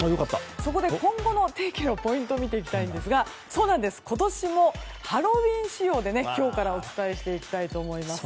そこで今後の天気のポイントを見ていきたいんですが今年も、ハロウィーン仕様でお伝えしていきます。